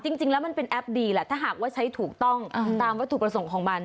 จริงแล้วมันเป็นแอปดีแหละถ้าหากว่าใช้ถูกต้องตามวัตถุประสงค์ของมัน